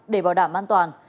để bảo đảm an toàn